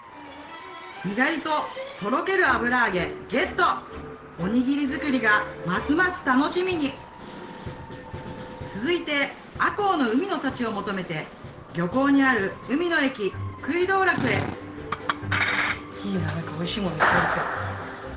にがりととろける油揚げゲットおにぎり作りがますます楽しみに続いて赤穂の海の幸を求めて漁港にあるいいな何かおいしいものいっぱいありそう。